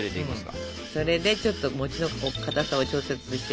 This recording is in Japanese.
それでちょっと餅のかたさを調節していきますね。